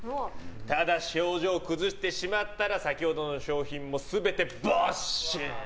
ただし、表情を崩してしまったら先ほどの商品も全て没収！